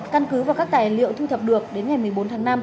căn cứ và các tài liệu thu thập được đến ngày một mươi bốn tháng năm